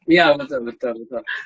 iya betul betul